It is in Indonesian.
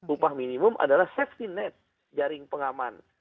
upah minimum adalah safety net jaring pengaman